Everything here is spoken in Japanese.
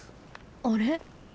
あれ？